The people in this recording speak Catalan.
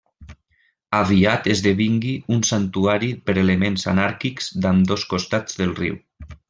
Aviat esdevingui un santuari per elements anàrquics d'ambdós costats del riu.